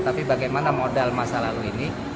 tapi bagaimana modal masa lalu ini